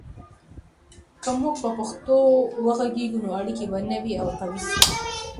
که موږ په پښتو وغږیږو، نو اړیکې به نوي او قوي سي.